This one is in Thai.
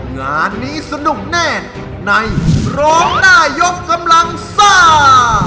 งานนี้สนุกแน่ในร้องได้ยกกำลังซ่า